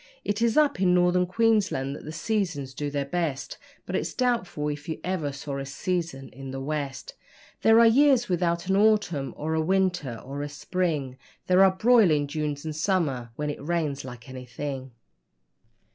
It is up in Northern Queensland that the seasons do their best, But it's doubtful if you ever saw a season in the West; There are years without an autumn or a winter or a spring, There are broiling Junes, and summers when it rains like anything.